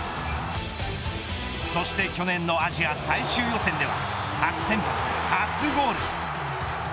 そして去年のアジア最終予選では初先発、初ゴール。